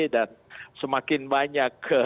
dan semakin banyak